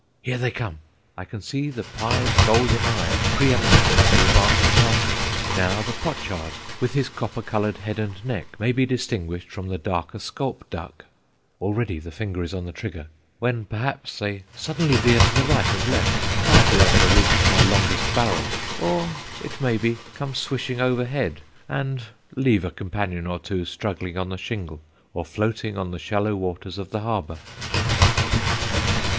Here they come! I can see the pied golden eye pre eminent among the advancing party; now the pochard, with his copper coloured head and neck, may be distinguished from the darker scaup duck; already the finger is on the trigger, when, perhaps, they suddenly veer to the right and left, far beyond the reach of my longest barrel or, it may be, come swishing overhead, and leave a companion or two struggling on the shingle or floating on the shallow waters of the harbour."